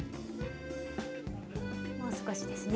もう少しですね。